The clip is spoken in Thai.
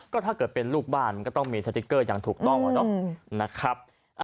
ก็ถ้าเกิดเป็นลูกบ้านมันก็ต้องมีสติ๊กเกอร์อย่างถูกต้องอะเนาะนะครับ